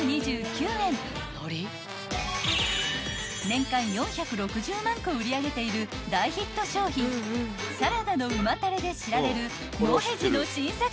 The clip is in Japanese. ［年間４６０万個売り上げている大ヒット商品サラダの旨たれで知られるもへじの新作］